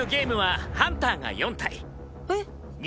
えっ？